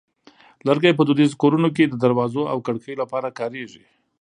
لرګی په دودیزو کورونو کې د دروازو او کړکیو لپاره کارېږي.